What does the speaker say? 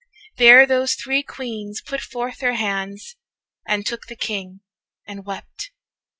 There those three Queens 205 Put forth their hands, and took the King, and wept.